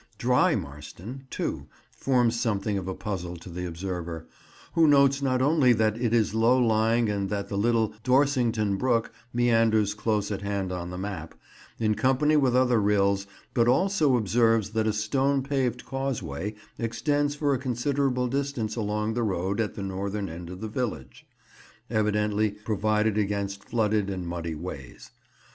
"Dry" Marston, too, forms something of a puzzle to the observer, who notes not only that it is low lying and that the little Dorsington Brook meanders close at hand on the map, in company with other rills, but also observes that a stone paved causeway extends for a considerable distance along the road at the northern end of the village; evidently provided against flooded and muddy ways.